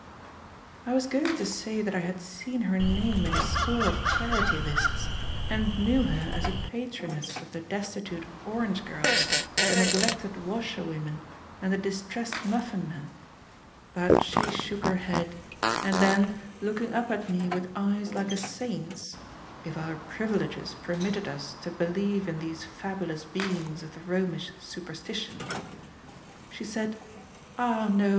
. I was going to say that I had seen her name in a score of charity lists, and knew her as a patroness of the Destitute Orange Girls, the Neglected Washerwomen, and the Distressed Muffin Men. But she shook her head; and then, looking up at me with eyes like a saint's (if our privileges permitted us to believe in these fabulous beings of the Romish superstition), she said, "Ah, no!